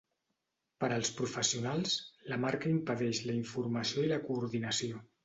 Per als professionals, la marca impedeix la informació i la coordinació.